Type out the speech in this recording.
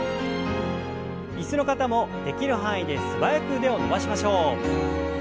椅子の方もできる範囲で素早く腕を伸ばしましょう。